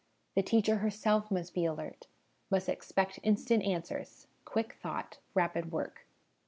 The teacher herself must be alert, must expect instant answers, quick thought, rapid work.